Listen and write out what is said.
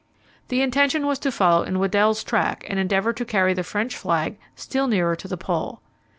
The intention was to follow in Weddell's track, and endeavour to carry the French flag still nearer to the Pole.